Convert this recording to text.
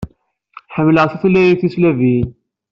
Ḥemmleɣ tutlayin tislaviyin.